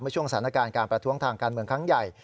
ช่วงสถานการณ์การประท้วงทางการเมืองครั้งใหญ่